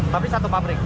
tapi satu pabrik